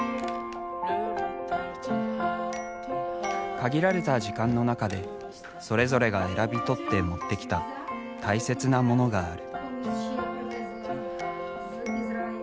限られた時間の中でそれぞれが選び取って持ってきた大切なモノがある。